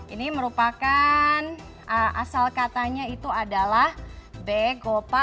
ini merupakan asal katanya itu adalah be go pa